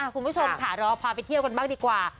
คุณผู้ชมแต่เดี๋ยวพอไปเที่ยวกันมากก็ดีกว่า